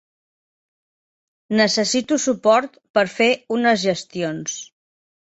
Necessito suport per fer unes gestions.